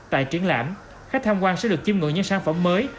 tại triển lãm khách tham quan sẽ được chiêm ngưỡng những sản phẩm mới